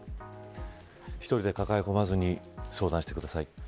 １人で抱え込まずに相談してください。